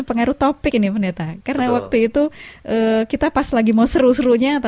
mari berjalan ke sion